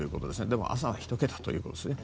でも朝は１桁ということです。